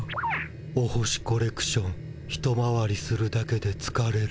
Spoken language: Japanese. お星コレクション一回りするだけでつかれる。